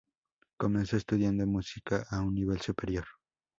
Comenzó estudiando música a un nivel superior.